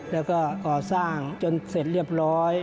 แล้วก็ก่อสร้างจนเสร็จเรียบร้อย